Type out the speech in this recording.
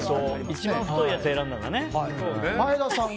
一番太いやつ選んだんだね。